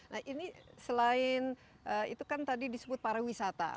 nah ini selain itu kan tadi disebut pariwisata